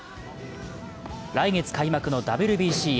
来月開幕のＷＢＣへ。